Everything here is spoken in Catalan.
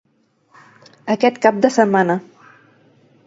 Aquest cap de setmana